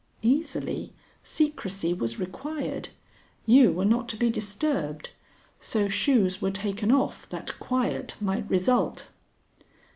"Easily. Secrecy was required. You were not to be disturbed; so shoes were taken off that quiet might result."